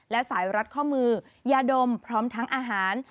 และสายรัดข้อมือยาดมพร้อมทั้งอาหาร